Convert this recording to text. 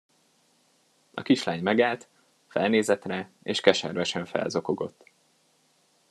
A kislány megállt, felnézett rá, és keservesen felzokogott.